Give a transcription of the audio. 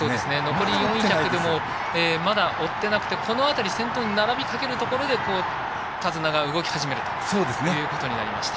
残り４着でもまだ追っていなくて先頭、並びかけるところで手綱が動き始めるということでした。